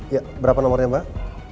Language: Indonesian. ya berapa nomornya mbak